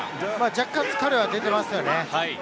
若干疲れは出ていますよね。